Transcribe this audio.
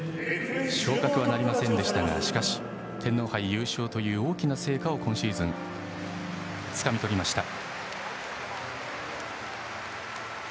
昇格はなりませんでしたがしかし天皇杯優勝という大きな成果を今シーズン、つかみとりました。